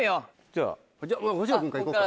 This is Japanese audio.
じゃあほしの君からいこうか。